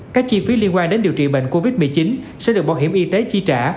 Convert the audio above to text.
các chi phí liên quan đến điều trị bệnh covid một mươi chín sẽ được bảo hiểm y tế chi trả